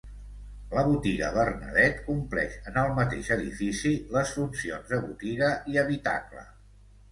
La botiga Bernadet compleix en el mateix edifici les funcions de botiga i habitacle.